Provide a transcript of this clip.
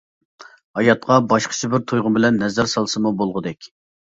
ھاياتقا باشقىچە بىر تۇيغۇ بىلەن نەزەر سالسىمۇ بولغۇدەك.